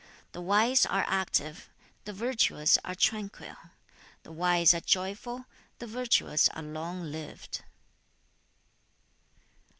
The wise are active; the virtuous are tranquil. The wise are joyful; the virtuous are long lived.'